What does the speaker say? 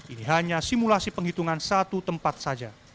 ini hanya simulasi penghitungan satu tempat saja